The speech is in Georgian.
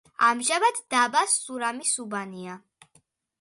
ამჟამად დაბა სურამის უბანია.